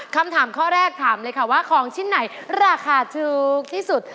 คำถามข้อแรกถามเลยค่ะว่าของชิ้นไหนราคาถูกที่สุด